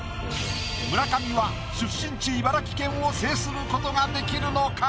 村上は出身地茨城県を制することができるのか？